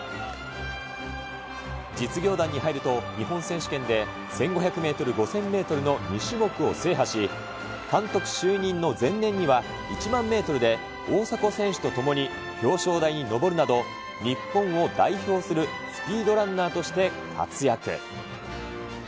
実業団に入ると日本選手権で１５００メートル、５０００メートルの２種目を制覇し、監督就任の前年には１００００メートルで大迫選手と共に表彰台に上るなど、日本を代表するスピードランナーとして活躍。